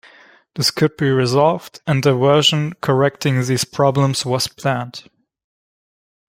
This could be resolved, and a version correcting these problems was planned.